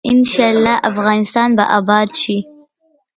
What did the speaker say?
ان شاء الله افغانستان به اباد شي.